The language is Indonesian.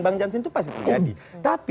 bang jansen itu pasti terjadi tapi